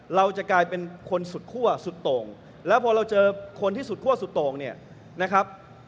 เราจะกลายเป็นคนสุดคั่วสุดโต่งแล้วพอเราเจอคนที่สุดคั่วสุดโต่งเนี่ยนะครับ